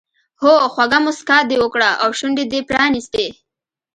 هو خوږه موسکا دې وکړه او شونډې دې پرانیستې.